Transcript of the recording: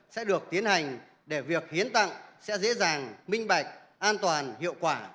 sẽ được tiến hành để việc hiến tặng sẽ dễ dàng minh bạch an toàn hiệu quả